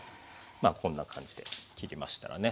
まあこんな感じで切りましたらね